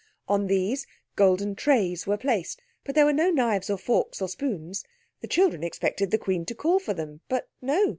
On these, golden trays were placed; but there were no knives, or forks, or spoons. The children expected the Queen to call for them; but no.